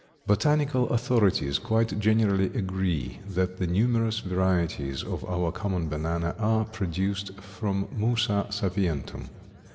Botanical authorities quite generally agree that the numerous varieties of our common banana are produced from Musa sapientum.